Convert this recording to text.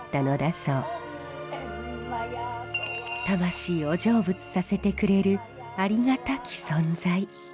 魂を成仏させてくれるありがたき存在。